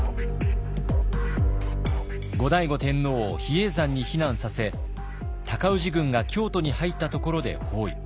後醍醐天皇を比叡山に避難させ尊氏軍が京都に入ったところで包囲。